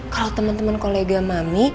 kalau temen temen kolega mami